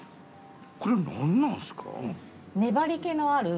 これは何なんすか？